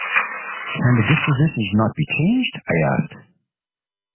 “Can the dispositions not be changed?” I asked.